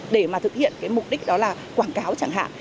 để mà thực hiện cái mục đích đó là quảng cáo chẳng hạn